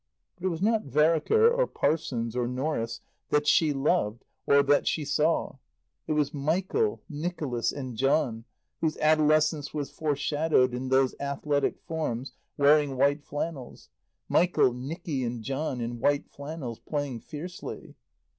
But it was not Vereker or Parsons or Norris that she loved or that she saw. It was Michael, Nicholas and John whose adolescence was foreshadowed in those athletic forms wearing white flannels; Michael, Nicky and John, in white flannels, playing fiercely.